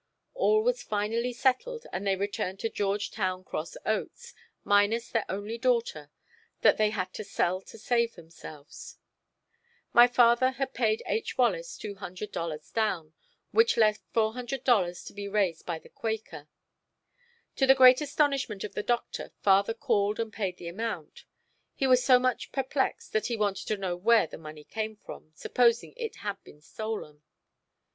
All was finally settled and they returned to George Town Cross Oats, minus their only daughter that they had to sell to save themselves. My father had paid H. Wallace $200 down, which left $400 to be raised by the Quaker. To the great astonishment of the Doctor father called and paid the amount. He was so much perplexed that he wanted to know where the money came from—supposing it had been stolen.